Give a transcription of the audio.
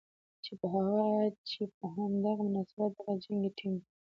چې په هم دغه مناسبت دغه جنګي ټېنک